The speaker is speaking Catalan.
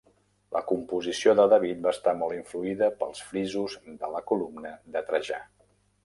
La composició de David va estar molt influïda pels frisos de la columna de Trajà.